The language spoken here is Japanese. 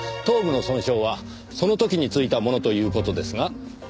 頭部の損傷はその時についたものという事ですが。